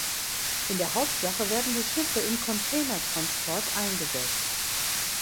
In der Hauptsache werden die Schiffe im Containertransport eingesetzt.